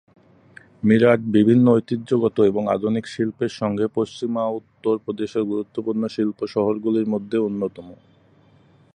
মিরাট বিভিন্ন ঐতিহ্যগত এবং আধুনিক শিল্পের সঙ্গে পশ্চিমা উত্তর প্রদেশের গুরুত্বপূর্ণ শিল্প শহরগুলির মধ্যে অন্যতম।